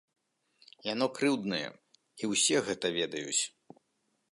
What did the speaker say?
Яно крыўднае, і ўсе гэта ведаюць.